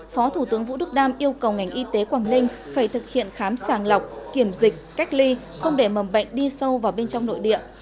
phó thủ tướng vũ đức đam yêu cầu ngành y tế quảng ninh phải thực hiện khám sàng lọc kiểm dịch cách ly không để mầm bệnh đi sâu vào bên trong nội địa